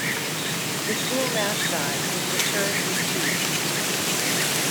The school mascot is the Cherokee Chiefs.